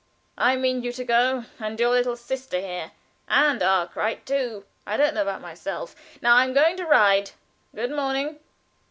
"I mean you to go, and your little sister here, and Arkwright too. I don't know about myself. Now, I am going to ride. Good morning."